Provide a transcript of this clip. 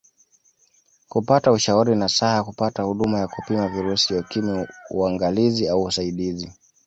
Kupata ushauri nasaha kupata huduma ya kupima virusi vya Ukimwi uangalizi au usaidizi